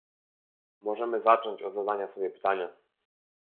Możemy zacząć od zadania sobie pytania